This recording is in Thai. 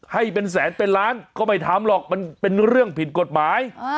ให้เป็นแสนเป็นล้านก็ไม่ทำหรอกมันเป็นเรื่องผิดกฎหมาย